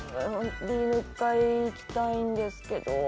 Ｂの１階いきたいんですけど。